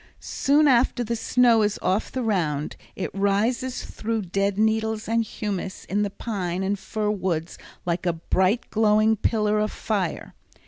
Soon after the snow is off the round it rises through the dead needles and humus in the pine and fir woods like a bright glowing pillar of fire.